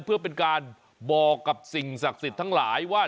เพื่อเป็นการบอกกับสิ่งศักดิ์สิทธิ์ทั้งหลายว่า